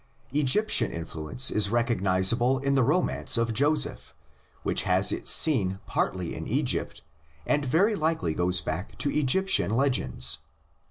Egyptian influence is recognisable in the romance of Joseph, which has its scene partly in Egypt and very likely goes back to Egyptian legends.